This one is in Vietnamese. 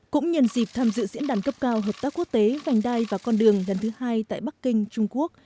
cũng nhân dịp tham dự diễn đàn cấp cao hợp tác quốc tế vành đai và con đường lần thứ hai tại bắc kinh trung quốc